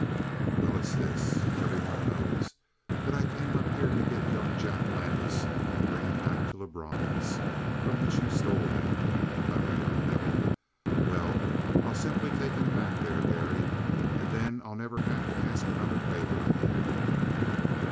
"Well, it's this. Everyone knows that I came up here to get young Jack Landis and bring him back to Lebrun's from which you stole him, you clever young devil! Well, I'll simply take him back there, Garry; and then I'll never have to ask another favor of you."